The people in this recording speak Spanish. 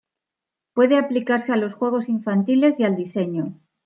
Puede aplicarse a los juegos infantiles y al diseño.